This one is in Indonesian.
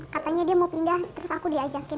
katanya dia mau pindah terus aku diajakin